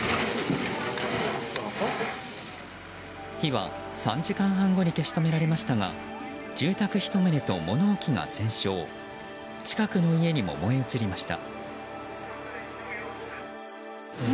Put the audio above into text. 火は３時間半後に消し止められましたが住宅１棟と物置が全焼近くの家にも燃え移りました。